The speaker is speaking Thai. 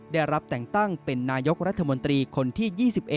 ได้รับแต่งตั้งเป็นนายกรัฐมนตรีคนที่๒๑